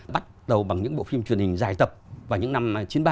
bắt đầu bằng những bộ phim truyền hình dài tập vào những năm chín mươi ba chín mươi năm